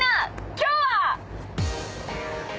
今日は。